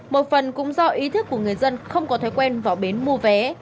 một phần cũng do ý thức của người dân không có thói quen vào bến mua vé